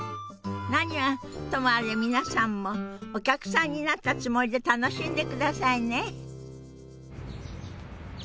何はともあれ皆さんもお客さんになったつもりで楽しんでくださいね。